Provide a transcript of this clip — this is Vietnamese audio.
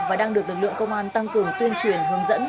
và đang được lực lượng công an tăng cường tuyên truyền hướng dẫn